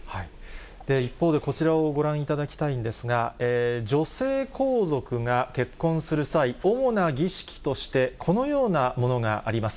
一方で、こちらをご覧いただきたいんですが、女性皇族が結婚する際、主な儀式としてこのようなものがあります。